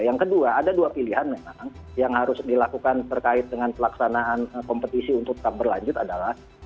yang kedua ada dua pilihan memang yang harus dilakukan terkait dengan pelaksanaan kompetisi untuk tetap berlanjut adalah